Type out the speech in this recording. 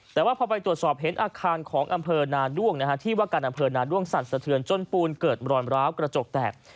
แต่ว่าพอไปตรวจสอบเห็นอาคารของอำเภอนาด้วงที่ว่าการอำเภอนาด้วงสั่นสะเทือนจนปูนเกิดรอยร้าวกระจกแตก